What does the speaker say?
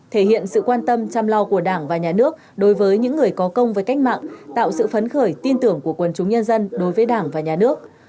thể hiện sự quan tâm chăm lo của đảng và nhà nước đối với những người có công với cách mạng tạo sự phấn khởi tin tưởng của quần chúng nhân dân đối với đảng và nhà nước